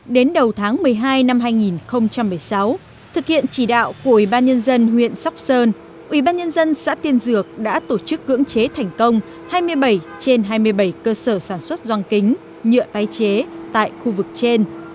đến đầu tháng một mươi hai năm hai nghìn một mươi sáu thực hiện chỉ đạo của ủy ban nhân dân huyện sóc sơn ubnd xã tiên dược đã tổ chức cưỡng chế thành công hai mươi bảy trên hai mươi bảy cơ sở sản xuất dong kính nhựa tái chế tại khu vực trên